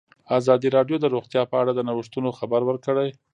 ازادي راډیو د روغتیا په اړه د نوښتونو خبر ورکړی.